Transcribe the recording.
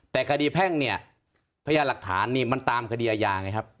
แต่คดีแพ่งเนี่ยพยานหลักฐานนี่มันตามคดีอาญาไงครับ